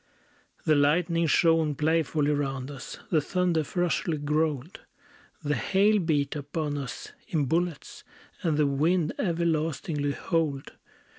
The lightning shone playfully round us; The thunder ferociously growled; The hail beat upon us in bullets; And the wind everlastingly howled.